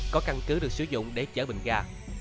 có căn cứ được sử dụng để chở bình ga